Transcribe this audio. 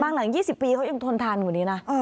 บ้างหลังยี่สิบปีเขายังทนทันกว่านี้น่ะเออ